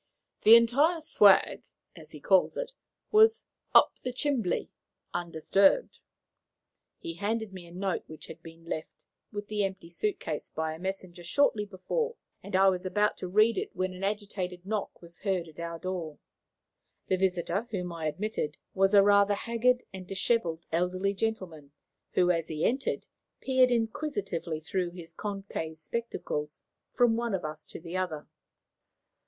"The 'entire swag,' as he calls it, was 'up the chimbly,' undisturbed." He handed me a note which had been left, with the empty suit case, by a messenger, shortly before, and I was about to read it when an agitated knock was heard at our door. The visitor, whom I admitted, was a rather haggard and dishevelled elderly gentleman, who, as he entered, peered inquisitively through his concave spectacles from one of us to the other.